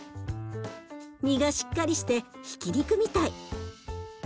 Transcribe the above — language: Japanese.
身がしっかりしてひき肉みたい。